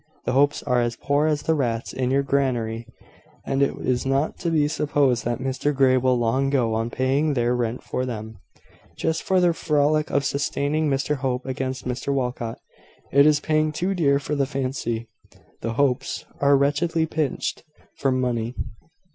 The Hopes are as poor as the rats in your granary; and it is not to be supposed that Mr Grey will long go on paying their rent for them, just for the frolic of sustaining Mr Hope against Mr Walcot. It is paying too dear for the fancy. The Hopes are wretchedly pinched for money.